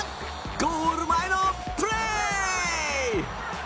ゴール前のプレー！